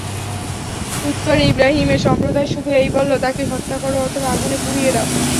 উত্তরে ইবরাহীমের সম্প্রদায় শুধু এই বলল, তাকে হত্যা কর অথবা আগুনে পুড়িয়ে দাও।